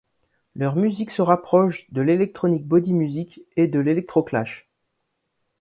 Leur musique se rapproche de l'electronic body music et de l'electroclash.